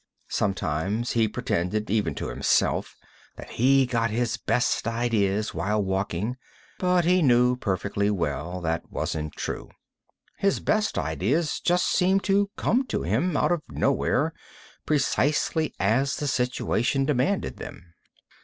Sometimes he pretended, even to himself, that he got his best ideas while walking, but he knew perfectly well that wasn't true. His best ideas just seemed to come to him, out of nowhere, precisely as the situation demanded them.